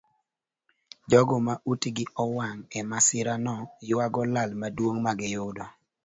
Jogo ma utgi owang' emasirano yuago lal maduong magiyudo.